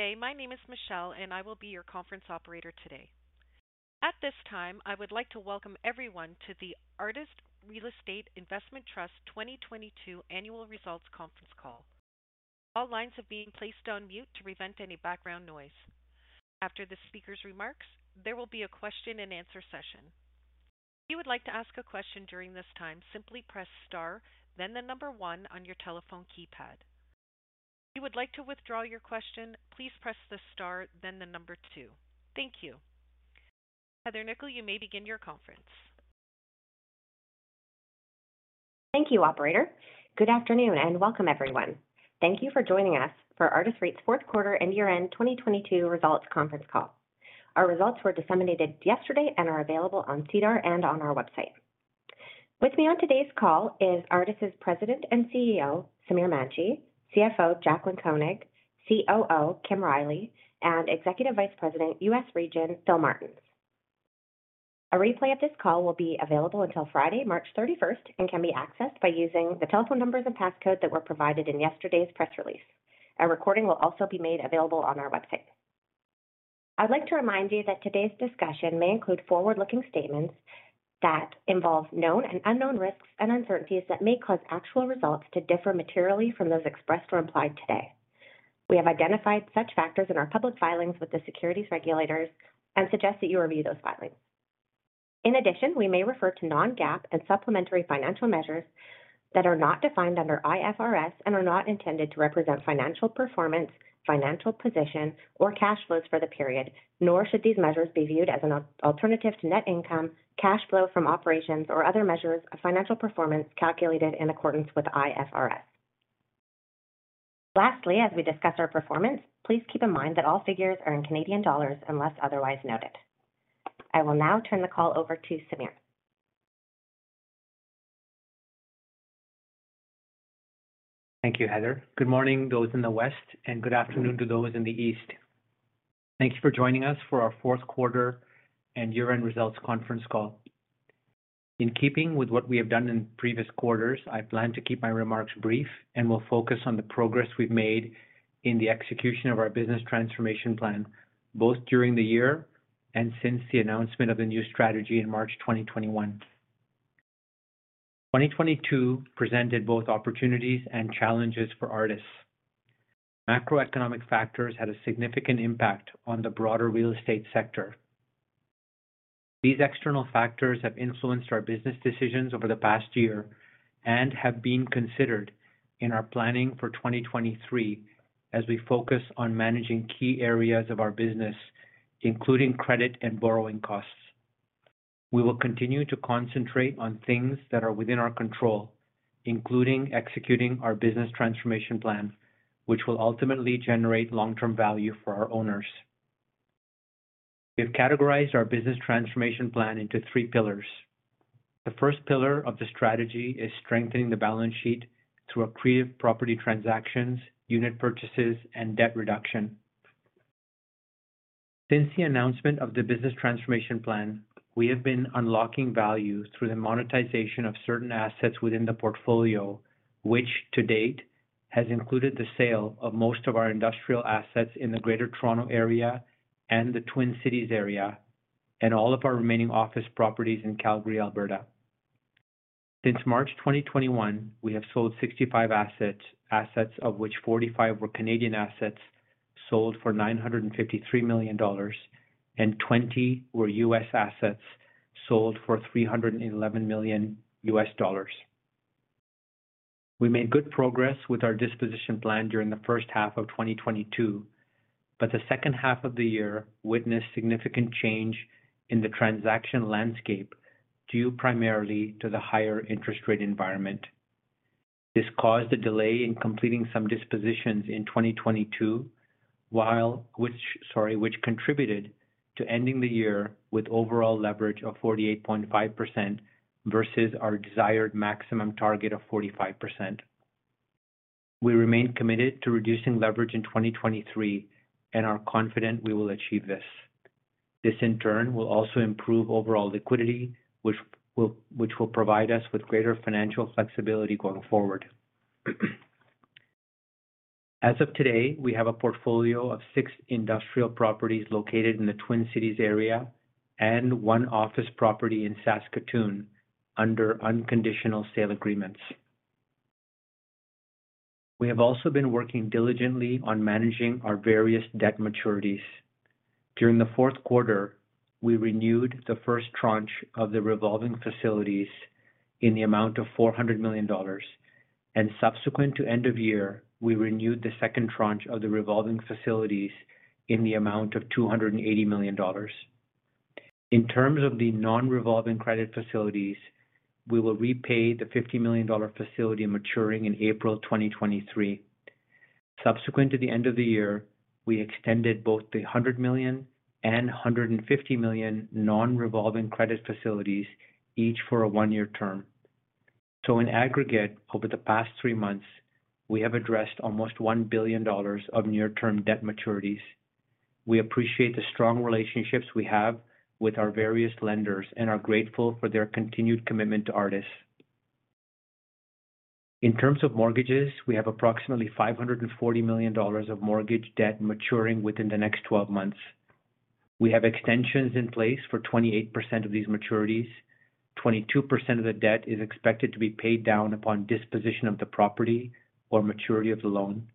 Good day. My name is Michelle, and I will be your conference operator today. At this time, I would like to welcome everyone to the Artis Real Estate Investment Trust 2022 annual results conference call. All lines are being placed on mute to prevent any background noise. After the speaker's remarks, there will be a question and answer session. If you would like to ask a question during this time, simply press star then one on your telephone keypad. If you would like to withdraw your question, please press the star then two. Thank you. Heather Nikkel, you may begin your conference. Thank you, operator. Good afternoon and welcome everyone. Thank you for joining us for Artis REIT's fourth quarter and year-end 2022 results conference call. Our results were disseminated yesterday and are available on SEDAR and on our website. With me on today's call is Artis's President and CEO, Samir Manji, CFO Jaclyn Koenig, COO Kim Riley, and Executive Vice President, U.S. Region, Philip Martens. A replay of this call will be available until Friday, March 31st and can be accessed by using the telephone numbers and passcode that were provided in yesterday's press release. A recording will also be made available on our website. I'd like to remind you that today's discussion may include forward-looking statements that involve known and unknown risks and uncertainties that may cause actual results to differ materially from those expressed or implied today. We have identified such factors in our public filings with the securities regulators and suggest that you review those filings. In addition, we may refer to non-GAAP and supplementary financial measures that are not defined under IFRS and are not intended to represent financial performance, financial position, or cash flows for the period, nor should these measures be viewed as an alternative to net income, cash flow from operations or other measures of financial performance calculated in accordance with IFRS. Lastly, as we discuss our performance, please keep in mind that all figures are in Canadian dollars unless otherwise noted. I will now turn the call over to Samir. Thank you, Heather. Good morning, those in the West, and good afternoon to those in the East. Thank you for joining us for our fourth quarter and year-end results conference call. In keeping with what we have done in previous quarters, I plan to keep my remarks brief and will focus on the progress we've made in the execution of our business transformation plan, both during the year and since the announcement of the new strategy in March 2021. 2022 presented both opportunities and challenges for Artis. Macroeconomic factors had a significant impact on the broader real estate sector. These external factors have influenced our business decisions over the past year and have been considered in our planning for 2023 as we focus on managing key areas of our business, including credit and borrowing costs. We will continue to concentrate on things that are within our control, including executing our business transformation plan, which will ultimately generate long-term value for our owners. We've categorized our business transformation plan into three pillars. The first pillar of the strategy is strengthening the balance sheet through accretive property transactions, unit purchases, and debt reduction. Since the announcement of the business transformation plan, we have been unlocking value through the monetization of certain assets within the portfolio, which to date has included the sale of most of our industrial assets in the Greater Toronto Area and the Twin Cities Area, and all of our remaining office properties in Calgary, Alberta. Since March 2021, we have sold 65 assets, of which 45 were Canadian assets, sold for $953 million and 20 were US assets, sold for $311 million. We made good progress with our disposition plan during the first half of 2022. The second half of the year witnessed significant change in the transaction landscape due primarily to the higher interest rate environment. This caused a delay in completing some dispositions in 2022, which contributed to ending the year with overall leverage of 48.5% versus our desired maximum target of 45%. We remain committed to reducing leverage in 2023 and are confident we will achieve this. This, in turn, will also improve overall liquidity, which will provide us with greater financial flexibility going forward. As of today, we have a portfolio of six industrial properties located in the Twin Cities area and one office property in Saskatoon under unconditional sale agreements. We have also been working diligently on managing our various debt maturities. During the fourth quarter, we renewed the first tranche of the revolving facilities in the amount of 400 million dollars, and subsequent to end of year, we renewed the second tranche of the revolving facilities in the amount of 280 million dollars. In terms of the non-revolving credit facilities, we will repay the 50 million dollar facility maturing in April 2023. Subsequent to the end of the year, we extended both the 100 million and 150 million non-revolving credit facilities, each for a one-year term. In aggregate, over the past three months, we have addressed almost 1 billion dollars of near-term debt maturities. We appreciate the strong relationships we have with our various lenders and are grateful for their continued commitment to Artis. In terms of mortgages, we have approximately $540 million of mortgage debt maturing within the next 12 months. We have extensions in place for 28% of these maturities. 22% of the debt is expected to be paid down upon disposition of the property or maturity of the loan,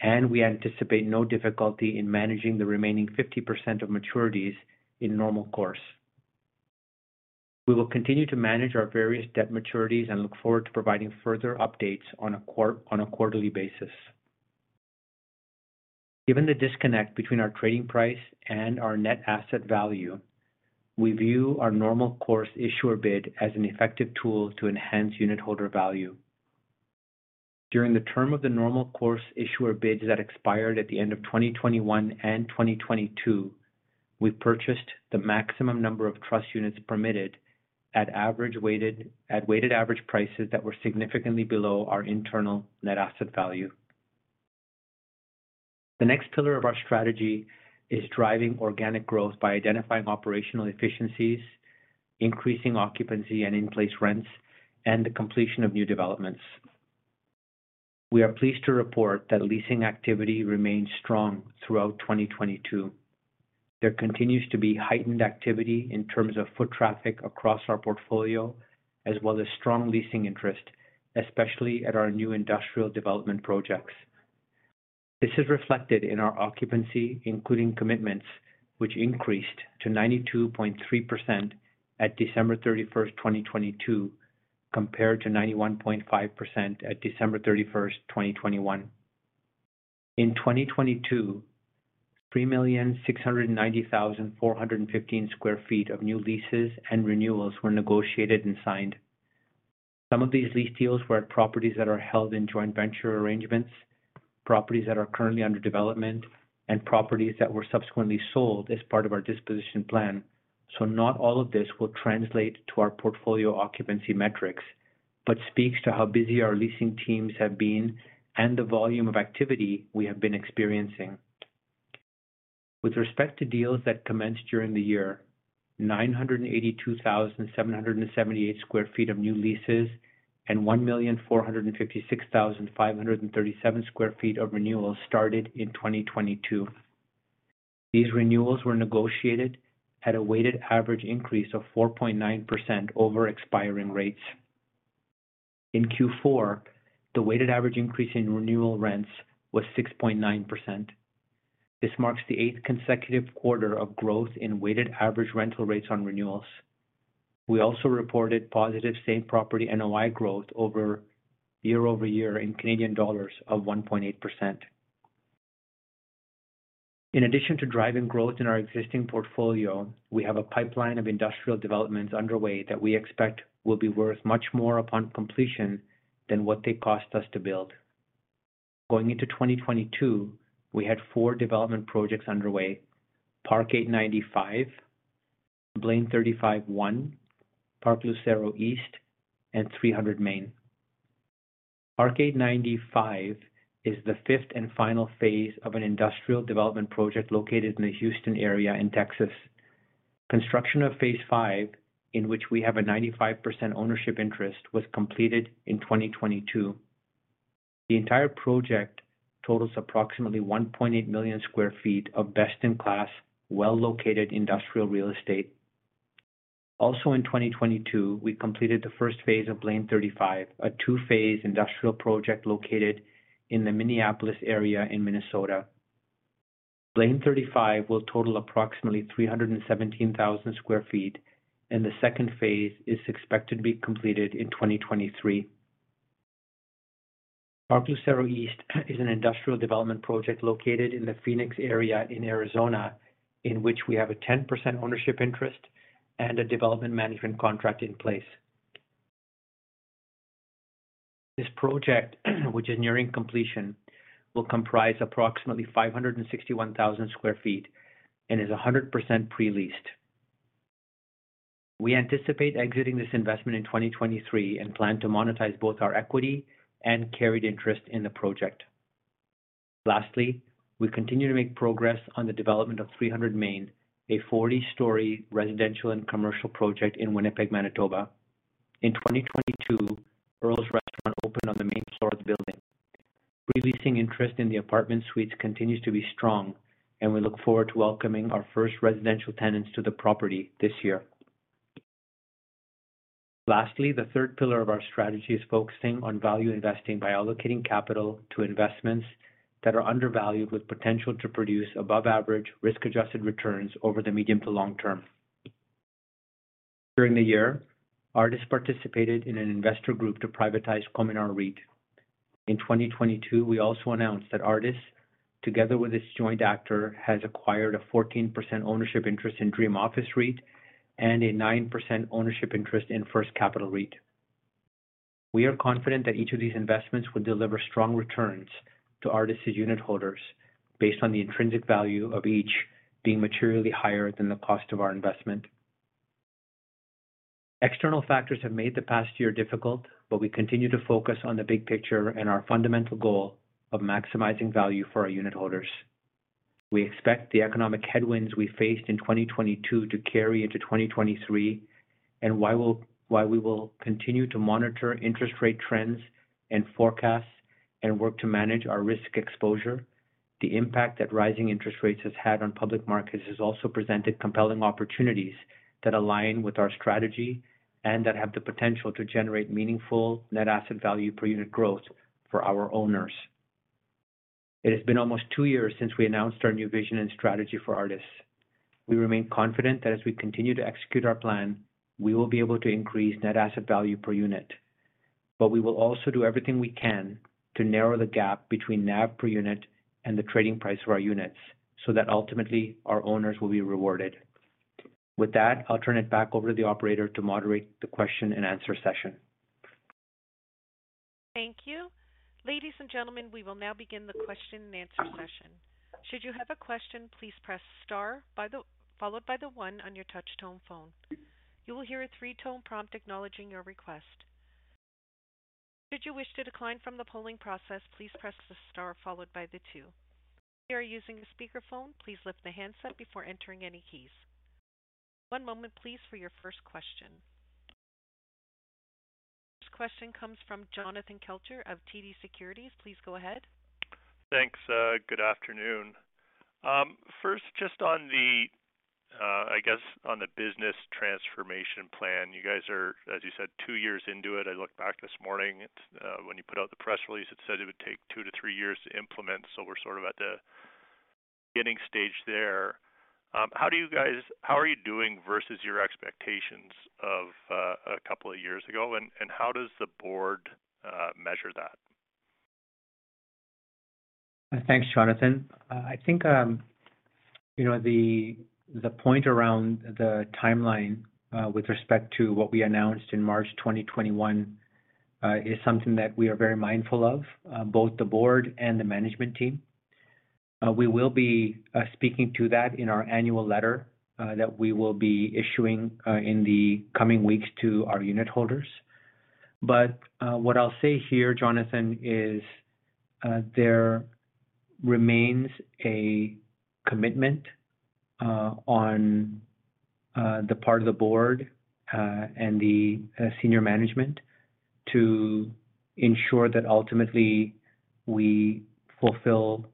and we anticipate no difficulty in managing the remaining 50% of maturities in normal course. We will continue to manage our various debt maturities and look forward to providing further updates on a quarterly basis. Given the disconnect between our trading price and our net asset value, we view our normal course issuer bid as an effective tool to enhance unitholder value. During the term of the normal course issuer bids that expired at the end of 2021 and 2022, we purchased the maximum number of trust units permitted at weighted average prices that were significantly below our internal net asset value. The next pillar of our strategy is driving organic growth by identifying operational efficiencies, increasing occupancy and in-place rents, and the completion of new developments. We are pleased to report that leasing activity remained strong throughout 2022. There continues to be heightened activity in terms of foot traffic across our portfolio, as well as strong leasing interest, especially at our new industrial development projects. This is reflected in our occupancy, including commitments, which increased to 92.3% at December 31st, 2022, compared to 91.5% at December 31st, 2021. In 2022, 3,690,415 sq ft of new leases and renewals were negotiated and signed. Some of these lease deals were at properties that are held in joint venture arrangements, properties that are currently under development, and properties that were subsequently sold as part of our disposition plan. Not all of this will translate to our portfolio occupancy metrics, but speaks to how busy our leasing teams have been and the volume of activity we have been experiencing. With respect to deals that commenced during the year, 982,778 sq ft of new leases and 1,456,537 sq ft of renewals started in 2022. These renewals were negotiated at a weighted average increase of 4.9% over expiring rates. In Q4, the weighted average increase in renewal rents was 6.9%. This marks the eighth consecutive quarter of growth in weighted average rental rates on renewals. We also reported positive same property NOI growth year-over-year in Canadian dollars of 1.8%. In addition to driving growth in our existing portfolio, we have a pipeline of industrial developments underway that we expect will be worth much more upon completion than what they cost us to build. Going into 2022, we had four development projects underway: Park 8Ninety, Blaine 35 I, Park Lucero East, and 300 Main. Park 8Ninety is the fifth and final phase of an industrial development project located in the Houston area in Texas. Construction of phase five, in which we have a 95% ownership interest, was completed in 2022. The entire project totals approximately 1.8 million sq ft of best-in-class, well-located industrial real estate. Also in 2022, we completed the first phase of Blaine 35, a two-phase industrial project located in the Minneapolis area in Minnesota. Blaine 35 will total approximately 317,000 sq ft, and the second phase is expected to be completed in 2023. Park Lucero East is an industrial development project located in the Phoenix area in Arizona, in which we have a 10% ownership interest and a development management contract in place. This project, which is nearing completion, will comprise approximately 561,000 sq ft and is 100% pre-leased. We anticipate exiting this investment in 2023 and plan to monetize both our equity and carried interest in the project. Lastly, we continue to make progress on the development of 300 Main, a 40-story residential and commercial project in Winnipeg, Manitoba. In 2022, Earls Restaurant opened on the main floor of the building. Pre-leasing interest in the apartment suites continues to be strong and we look forward to welcoming our first residential tenants to the property this year. The third pillar of our strategy is focusing on value investing by allocating capital to investments that are undervalued with potential to produce above average risk-adjusted returns over the medium to long term. During the year, Artis participated in an investor group to privatize Cominar REIT. In 2022, we also announced that Artis, together with its joint actor, has acquired a 14% ownership interest in Dream Office REIT and a 9% ownership interest in First Capital REIT. We are confident that each of these investments will deliver strong returns to Artis' unitholders based on the intrinsic value of each being materially higher than the cost of our investment. External factors have made the past year difficult, but we continue to focus on the big picture and our fundamental goal of maximizing value for our unitholders. We expect the economic headwinds we faced in 2022 to carry into 2023. While we will continue to monitor interest rate trends and forecasts and work to manage our risk exposure, the impact that rising interest rates has had on public markets has also presented compelling opportunities that align with our strategy and that have the potential to generate meaningful net asset value per unit growth for our owners. It has been almost two years since we announced our new vision and strategy for Artis. We remain confident that as we continue to execute our plan, we will be able to increase net asset value per unit. We will also do everything we can to narrow the gap between NAV per unit and the trading price for our units so that ultimately our owners will be rewarded. With that, I'll turn it back over to the operator to moderate the question and answer session. Thank you. Ladies and gentlemen, we will now begin the question and answer session. Should you have a question, please press star followed by the one on your touch-tone phone. You will hear a three-tone prompt acknowledging your request. Should you wish to decline from the polling process, please press the star followed by the two. If you are using a speakerphone, please lift the handset before entering any keys. One moment please for your first question. First question comes from Jonathan Kelcher of TD Securities. Please go ahead. Thanks. Good afternoon. First, just on the, I guess on the business transformation plan. You guys are, as you said, two years into it. I looked back this morning at, when you put out the press release, it said it would take two to three years to implement, so we're sort of at the beginning stage there. How are you doing versus your expectations of, two years ago? How does the board measure that? Thanks, Jonathan. I think, you know, the point around the timeline with respect to what we announced in March 2021, is something that we are very mindful of, both the board and the management team. We will be speaking to that in our annual letter that we will be issuing in the coming weeks to our unitholders. What I'll say here, Jonathan, is there remains a commitment on the part of the board and the senior management to ensure that ultimately we fulfill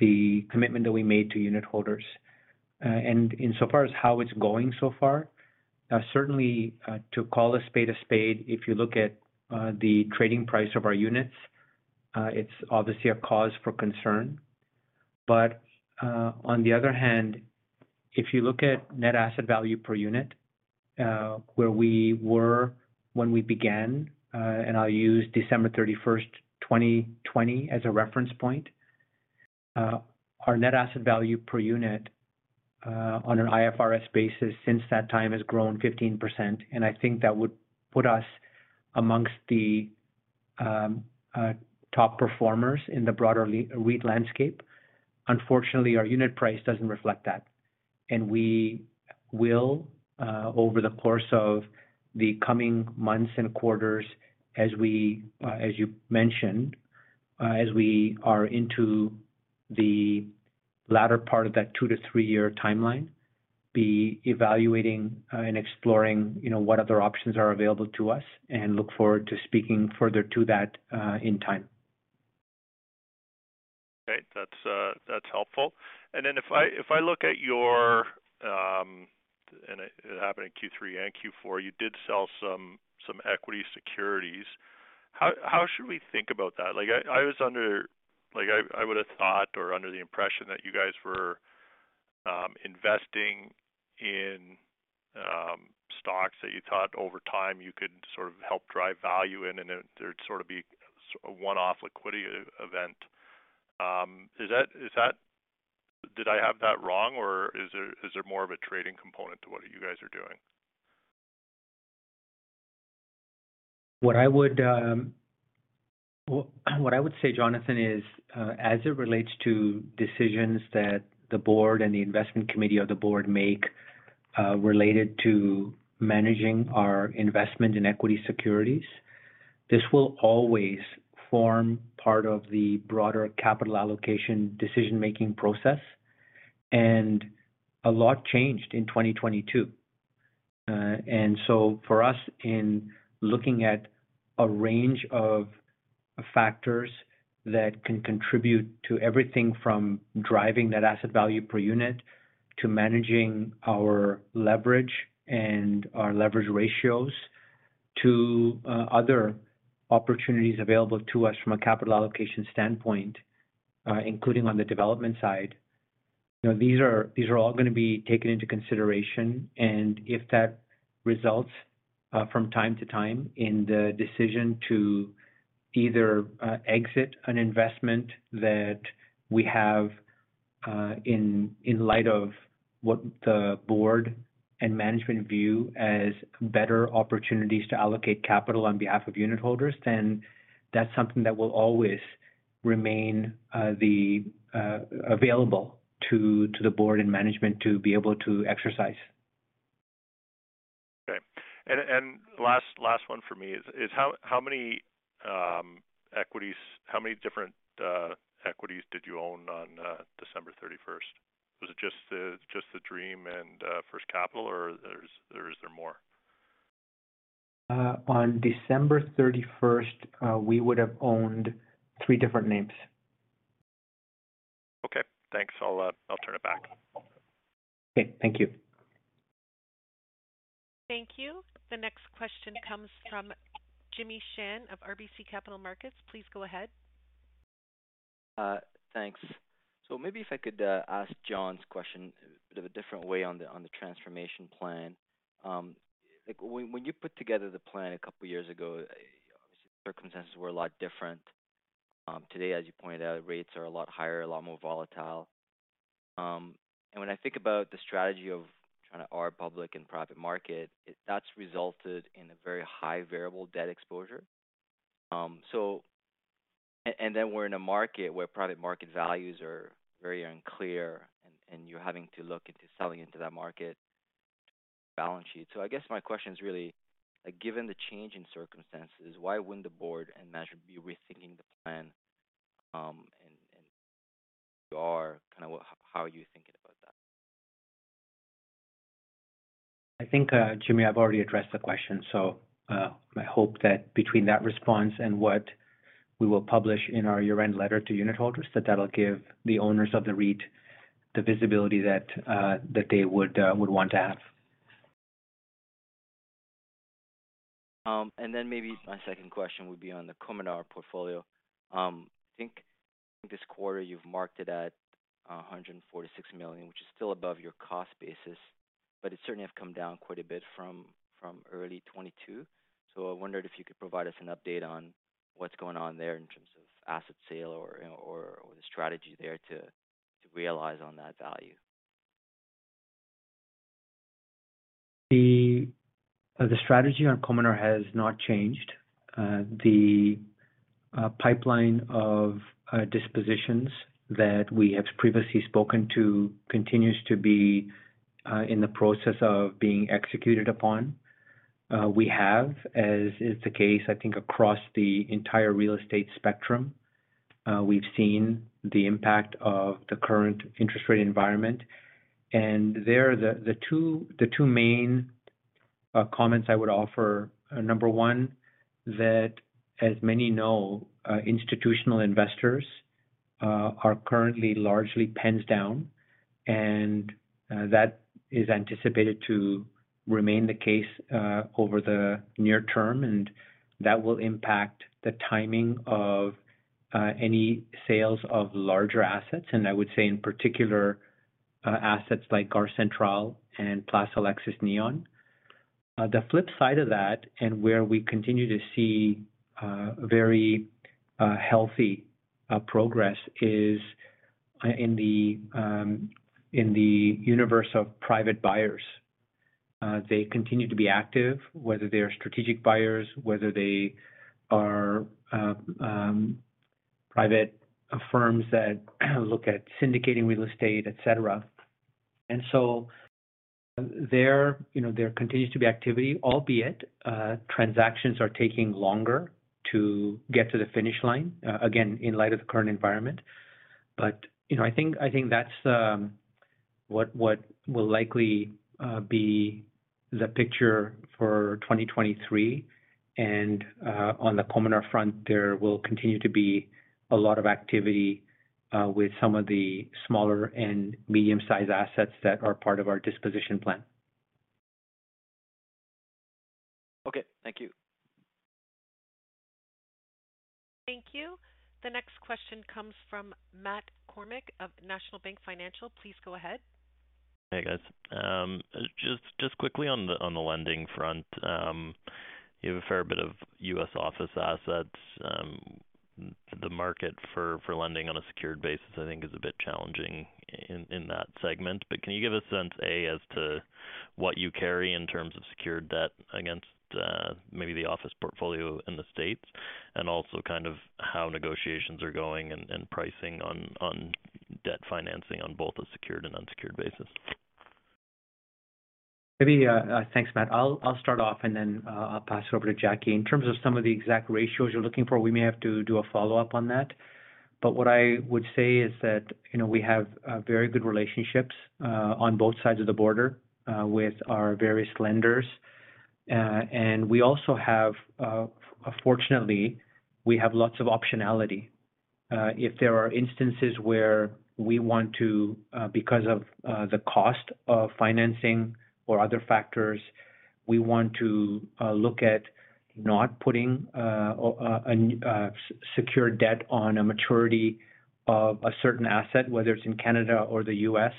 the commitment that we made to unitholders. And insofar as how it's going so far, certainly, to call a spade a spade, if you look at the trading price of our units, it's obviously a cause for concern. On the other hand, if you look at net asset value per unit, where we were when we began, and I'll use December 31, 2020 as a reference point, our net asset value per unit on an IFRS basis since that time has grown 15%. I think that would put us amongst the top performers in the broader REIT landscape. Unfortunately, our unit price doesn't reflect that. We will, over the course of the coming months and quarters as we, as you mentioned, as we are into the latter part of that 2-3 year timeline, be evaluating and exploring, you know, what other options are available to us and look forward to speaking further to that in time. Okay. That's helpful. If I look at your, and it happened in Q3 and Q4, you did sell some equity securities. How should we think about that? Like I would have thought or under the impression that you guys were investing in stocks that you thought over time you could sort of help drive value in and it there'd sort of be a one-off liquidity event. Did I have that wrong, or is there more of a trading component to what you guys are doing? What I would say, Jonathan, is, as it relates to decisions that the board and the investment committee of the board make, related to managing our investment in equity securities, this will always form part of the broader capital allocation decision-making process. A lot changed in 2022. So for us, in looking at a range of factors that can contribute to everything from driving net asset value per unit, to managing our leverage and our leverage ratios, to other opportunities available to us from a capital allocation standpoint, including on the development side, you know, these are all gonna be taken into consideration. If that results from time to time in the decision to either exit an investment that we have, in light of what the board and management view as better opportunities to allocate capital on behalf of unitholders, then that's something that will always remain the available to the board and management to be able to exercise. last one for me is how many different equities did you own on December 31st? Was it just the Dream and First Capital, or is there more? On December 31st, we would have owned three different names. Okay, thanks. I'll turn it back. Okay. Thank you. Thank you. The next question comes from Jimmy Shan of RBC Capital Markets. Please go ahead. Thanks. Maybe if I could ask Jon's question a bit of a different way on the, on the transformation plan. Like, when you put together the plan two years ago, obviously circumstances were a lot different. Today, as you pointed out, rates are a lot higher, a lot more volatile. When I think about the strategy of kinda our public and private market, that's resulted in a very high variable debt exposure. We're in a market where private market values are very unclear and you're having to look into selling into that market balance sheet. I guess my question is really, like, given the change in circumstances, why wouldn't the board and management be rethinking the plan, and you are kind of how are you thinking about that? I think, Jimmy, I've already addressed the question. My hope that between that response and what we will publish in our year-end letter to unit holders, that that'll give the owners of the REIT the visibility that they would want to have. Maybe my second question would be on the Cominar portfolio. I think this quarter you've marked it at 146 million, which is still above your cost basis, but it's certainly have come down quite a bit from early 2022. I wondered if you could provide us an update on what's going on there in terms of asset sale or the strategy there to realize on that value. The strategy on Cominar has not changed. The pipeline of dispositions that we have previously spoken to continues to be in the process of being executed upon. We have, as is the case, I think, across the entire real estate spectrum, we've seen the impact of the current interest rate environment. There, the two main comments I would offer, number one, that as many know, institutional investors are currently largely pens down, and that is anticipated to remain the case over the near term, and that will impact the timing of any sales of larger assets, and I would say in particular, assets like Gare Centrale and Place Alexis Nihon. The flip side of that, and where we continue to see, very healthy progress is in the universe of private buyers. They continue to be active, whether they are strategic buyers, whether they are private firms that look at syndicating real estate, et cetera. So there, you know, there continues to be activity, albeit, transactions are taking longer to get to the finish line, again, in light of the current environment. You know, I think, I think that's what will likely be the picture for 2023. On the Cominar front, there will continue to be a lot of activity with some of the smaller and medium-sized assets that are part of our disposition plan. Okay. Thank you. Thank you. The next question comes from Matt Kornack of National Bank Financial. Please go ahead. Hey, guys. Just quickly on the lending front, you have a fair bit of US office assets. The market for lending on a secured basis, I think, is a bit challenging in that segment. Can you give a sense, A, as to what you carry in terms of secured debt against, maybe the office portfolio in the States? And also kind of how negotiations are going and pricing on debt financing on both a secured and unsecured basis. Maybe. Thanks, Matt. I'll start off and then I'll pass it over to Jackie. In terms of some of the exact ratios you're looking for, we may have to do a follow-up on that. What I would say is that, you know, we have very good relationships on both sides of the border with our various lenders. We also have, fortunately, we have lots of optionality. If there are instances where we want to, because of the cost of financing or other factors, we want to look at not putting a secured debt on a maturity of a certain asset, whether it's in Canada or the U.S.,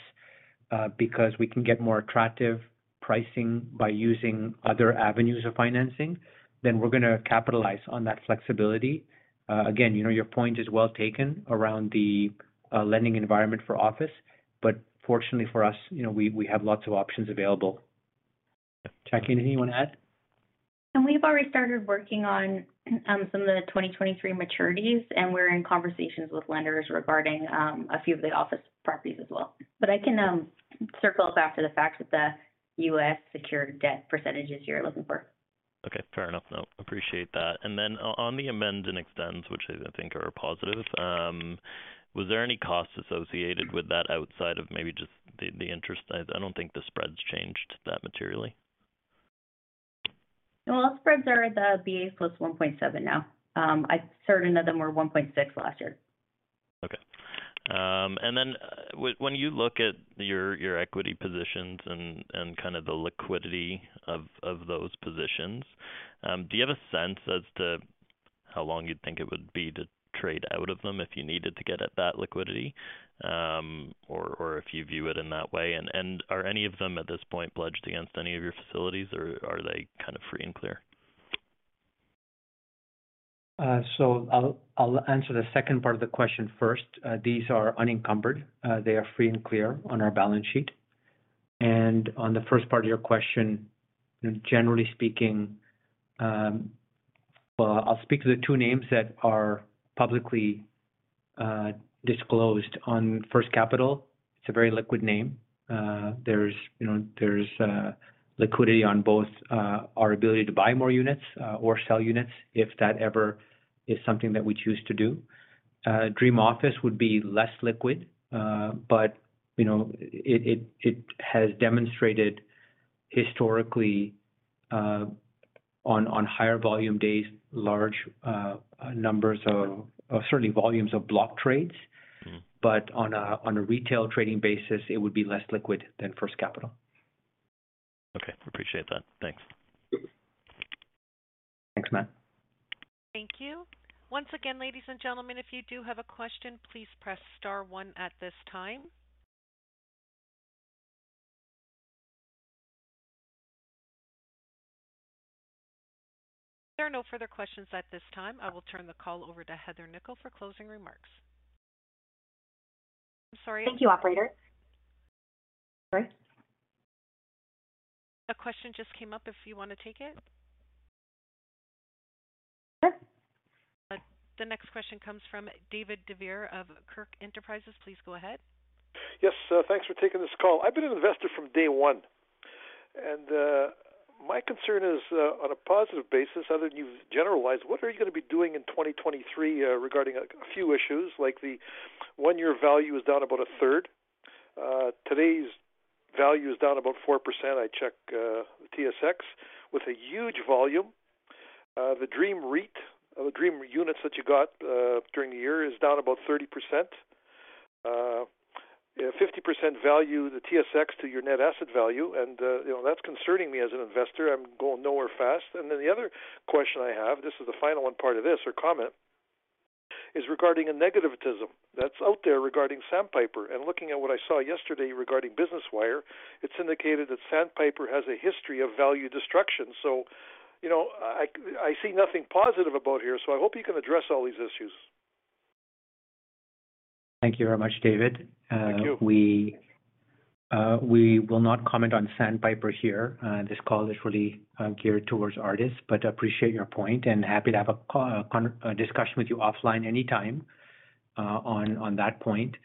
because we can get more attractive pricing by using other avenues of financing, then we're gonna capitalize on that flexibility. Again, you know, your point is well taken around the lending environment for office. Fortunately for us, you know, we have lots of options available. Jackie, anything you wanna add? We've already started working on some of the 2023 maturities, and we're in conversations with lenders regarding a few of the office properties as well. I can circle back to the fact that the U.S. secured debt percentages you're looking for. Okay, fair enough. No, appreciate that. On the amend and extends, which I think are positive, was there any cost associated with that outside of maybe just the interest? I don't think the spreads changed that materially. Spreads are the BA +1.7 now. Certain of them were 1.6 last year. Okay. When you look at your equity positions and kind of the liquidity of those positions, do you have a sense as to how long you'd think it would be to trade out of them if you needed to get at that liquidity? Or if you view it in that way. Are any of them at this point pledged against any of your facilities or are they kind of free and clear? I'll answer the second part of the question first. These are unencumbered. They are free and clear on our balance sheet. On the first part of your question, generally speaking, well I'll speak to the two names that are publicly disclosed. On First Capital, it's a very liquid name. There's, you know, there's liquidity on both our ability to buy more units or sell units if that ever is something that we choose to do. Dream Office would be less liquid, but, you know, it has demonstrated historically on higher volume days large numbers of, certainly volumes of block trades. Mm-hmm. On a retail trading basis, it would be less liquid than First Capital. Okay. Appreciate that. Thanks. Thanks, Matt. Thank you. Once again, ladies and gentlemen, if you do have a question, please press star one at this time. There are no further questions at this time. I will turn the call over to Heather Nikkel for closing remarks. Thank you, operator. Sorry. A question just came up if you wanna take it. Sure. The next question comes from David Devereux of Kirk Enterprises. Please go ahead. Yes. thanks for taking this call. I've been an investor from day one, my concern is on a positive basis, other than you've generalized, what are you gonna be doing in 2023 regarding a few issues like the one year value is down about a third. Today's value is down about 4%. I checked the TSX with a huge volume. The Dream REIT or the Dream units that you got during the year is down about 30%. 50% value the TSX to your net asset value. You know, that's concerning me as an investor. I'm going nowhere fast. The other question I have, this is the final one part of this or comment, is regarding a negativism that's out there regarding Sandpiper. Looking at what I saw yesterday regarding Business Wire, it's indicated that Sandpiper has a history of value destruction. You know, I see nothing positive about here, so I hope you can address all these issues. Thank you very much, David. Thank you. We, we will not comment on Sandpiper here. This call is really geared towards Artis, but appreciate your point and happy to have a discussion with you offline anytime, on that point.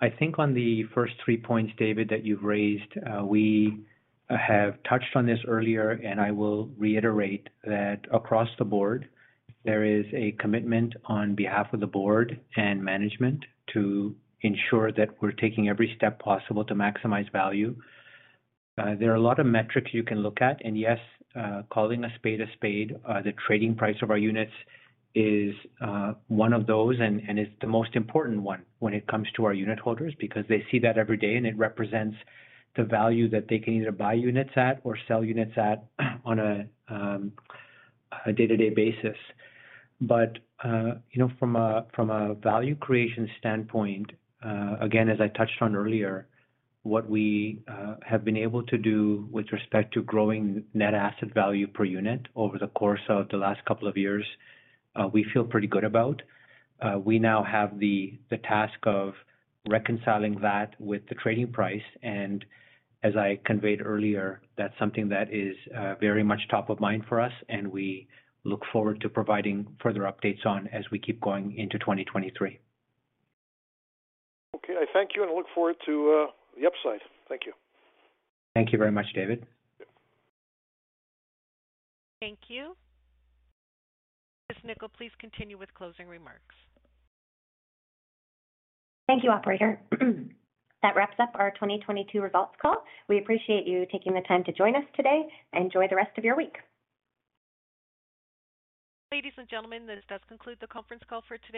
I think on the first three points, David, that you've raised, we have touched on this earlier, and I will reiterate that across the board, there is a commitment on behalf of the board and management to ensure that we're taking every step possible to maximize value. There are a lot of metrics you can look at, and yes, calling a spade a spade, the trading price of our units is one of those, and it's the most important one when it comes to our unitholders because they see that every day, and it represents the value that they can either buy units at or sell units at on a day-to-day basis. You know, from a value creation standpoint, again, as I touched on earlier, what we have been able to do with respect to growing net asset value per unit over the course of the last couple of years, we feel pretty good about. We now have the task of reconciling that with the trading price. As I conveyed earlier, that's something that is very much top of mind for us, and we look forward to providing further updates on as we keep going into 2023. Okay. I thank you and look forward to the upside. Thank you. Thank you very much, David. Yep. Thank you. Ms. Nikkel, please continue with closing remarks. Thank you, operator. That wraps up our 2022 results call. We appreciate you taking the time to join us today. Enjoy the rest of your week. Ladies and gentlemen, this does conclude the conference call for today.